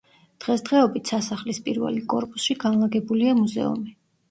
დღესდღეობით სასახლის პირველი კორპუსში განლაგებულია მუზეუმი.